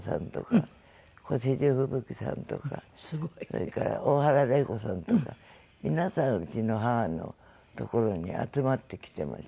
それから大原麗子さんとか皆さんうちの母のところに集まってきてました。